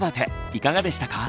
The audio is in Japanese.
いかがでしたか？